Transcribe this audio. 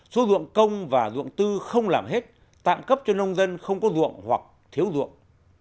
số dụng công và ruộng tư không làm hết tạm cấp cho nông dân không có ruộng hoặc thiếu ruộng